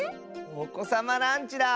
おこさまランチだ！